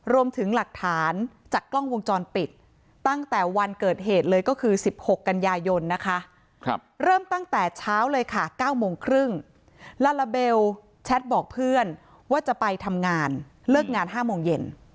เริ่มตั้งแต่เช้าเลยค่ะ๙โมงครึ่งลาลาเบลแชทบอกเพื่อนว่าจะไปทำงานเลิกงาน๕โมงเย็น